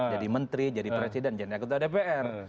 jadi menteri jadi presiden jadi anggota dpr